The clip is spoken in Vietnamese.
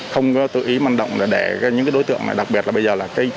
không có tự ý măn động để những đối tượng này đặc biệt là bây giờ là